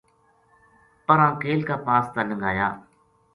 پراں کیل کا پاس تا لنگھایا